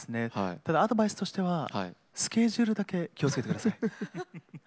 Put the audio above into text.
ただ、アドバイスとしてはスケジュールだけ気をつけてください。